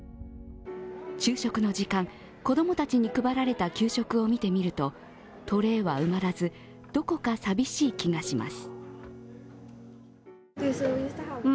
昼食の時間、子供たちに配られた給食を見てみると、トレーは埋まらず、どこか寂しい気がします。